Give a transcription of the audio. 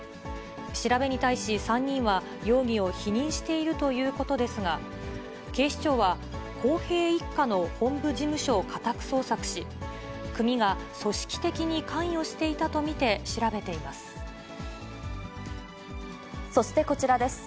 調べに対し、３人は容疑を否認しているということですが、警視庁は幸平一家の本部事務所を家宅捜索し、組が組織的に関与しそしてこちらです。